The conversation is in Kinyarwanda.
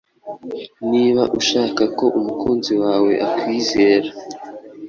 niba ushaka ko umukunzi wawe akwizera